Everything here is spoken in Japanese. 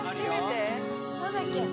・何だっけ？